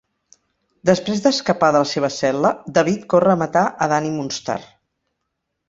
Després d'escapar de la seva cel·la, David corre a matar a Dani Moonstar.